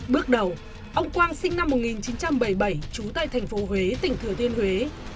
bước đầu ông quang sinh năm một nghìn chín trăm bảy mươi bảy trú tại thành phố huế tỉnh thừa thiên huế